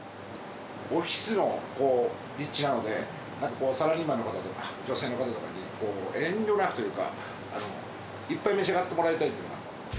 オフィスの立地なので、サラリーマンの方とか、女性の方とかに、遠慮なくというか、いっぱい召し上がってもらいたいっていうのがあって。